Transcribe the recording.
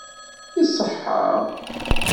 Iṣeḥḥa.